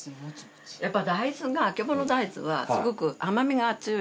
やっぱ大豆があけぼの大豆はすごく甘みが強い。